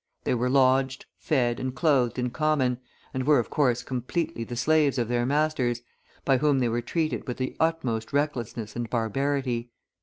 They were lodged, fed, and clothed in common, and were, of course, completely the slaves of their masters, by whom they were treated with the utmost recklessness and barbarity.